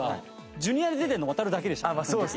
Ｊｒ．で出てるの渉だけでしたから。